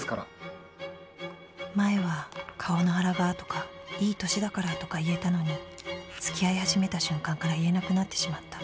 「前は『顔のアラが』とか『いい年だから』とか言えたのに、付き合い始めた瞬間から言えなくなってしまった。